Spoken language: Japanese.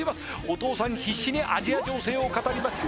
お父さん必死にアジア情勢を語ります